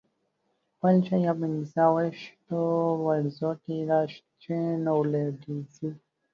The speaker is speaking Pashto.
په شل یا پنځه ويشتو ورځو کې را شین او لوېږي.